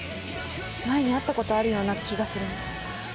前に会ったことあるような気がするんです。